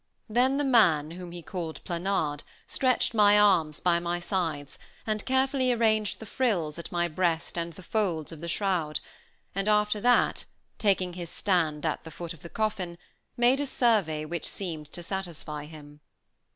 Then the man, whom he called Planard, stretched my arms by my sides, and carefully arranged the frills at my breast and the folds of the shroud, and after that, taking his stand at the foot of the coffin made a survey which seemed to satisfy him.